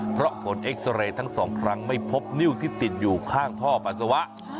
เพราะผลเอ็กซาเรย์ทั้งสองครั้งไม่พบนิ้วที่ติดอยู่ข้างท่อปัสสาวะ